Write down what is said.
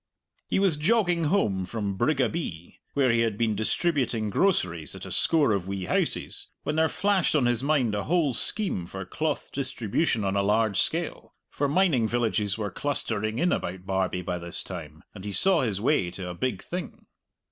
He was jogging home from Brigabee, where he had been distributing groceries at a score of wee houses, when there flashed on his mind a whole scheme for cloth distribution on a large scale; for mining villages were clustering in about Barbie by this time, and he saw his way to a big thing.